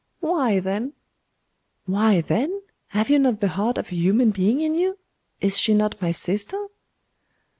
'Why, then?' 'Why, then? Have you not the heart of a human being in you? Is she not my sister?